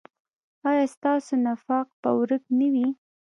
ایا ستاسو نفاق به ورک نه وي؟